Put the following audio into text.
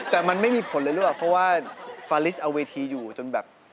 แต่มันไม่มีผลเลยหรือเปล่าเพราะว่าฟาลิสเอาเวทีอยู่จนแบบ